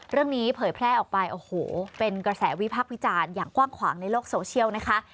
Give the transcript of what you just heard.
เผยแพร่ออกไปโอ้โหเป็นกระแสวิพักษ์วิจารณ์อย่างกว้างขวางในโลกโซเชียลนะคะ